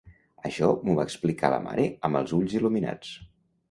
Això m'ho va explicar la mare amb els ulls il·luminats.